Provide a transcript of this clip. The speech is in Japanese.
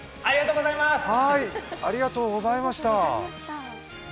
ありがとうございます！